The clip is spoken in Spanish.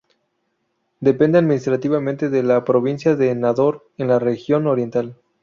Depende administrativamente de la provincia de Nador, en la región Oriental.